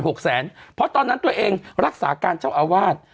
หกแสนเพราะตอนนั้นตัวเองรักษาการเจ้าอาวาส